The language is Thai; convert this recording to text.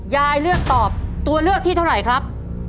ยายเลือกตอบตัวเลือกที่เท่าไหร่ครับ